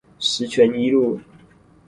十全一路